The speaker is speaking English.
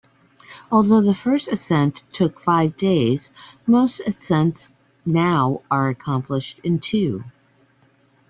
Although the first ascent took five days, most ascents now are accomplished in two.